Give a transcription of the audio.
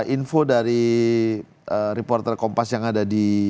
info dari reporter kompas yang ada di